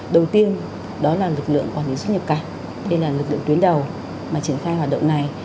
đầu tiên đó là lực lượng quản lý xuất nhập cảnh đây là lực lượng tuyến đầu mà triển khai hoạt động này